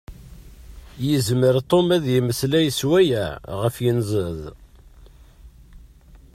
Yezmer Tom ad d-yemmeslay sswayeɛ ɣef yinzaḍ.